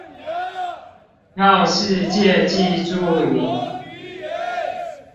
讓世界記住你